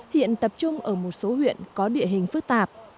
hiện tập trung ở một số huyện có địa hình phức tạp